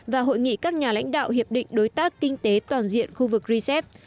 và hội nghị các nhà lãnh đạo hiệp định đối tác kinh tế toàn diện khu vực rcep